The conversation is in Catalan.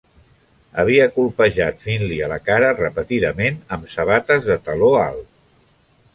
Havia colpejat Finley a la cara repetidament amb sabates de taló alt.